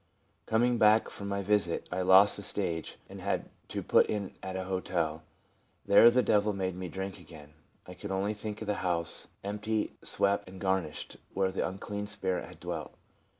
Coming back from my visit, I lost the stage, and had to put in at a hotel. There the devil made me drink again. I could only think of the house " empty, swept and gar nished," where the unclean spirit had dwelt.